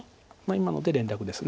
今ので連絡です。